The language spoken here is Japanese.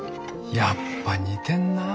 やっぱ似てんなあ